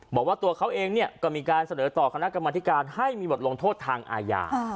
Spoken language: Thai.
บอกว่าตัวเขาเองเนี่ยก็มีการเสนอต่อคณะกรรมธิการให้มีบทลงโทษทางอาญา